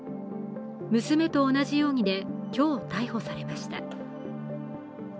娘と同じ容疑で今日、逮捕されました。